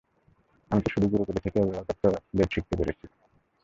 আমি তো শুধু গুরুকুলে থেকে অভিভাবকত্ব বেদ শিখতে পেরেছি।